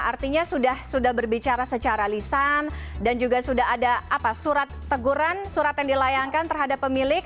artinya sudah berbicara secara lisan dan juga sudah ada surat teguran surat yang dilayangkan terhadap pemilik